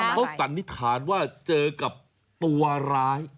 เขาสันนิษฐานว่าเจอกับตัวร้าย